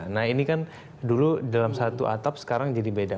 nah ini kan dulu dalam satu atap sekarang jadi beda